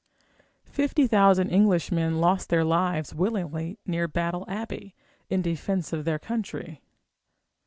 Fifty thousand Englishmen lost their lives willingly near Battle Abbey, in defence of their country.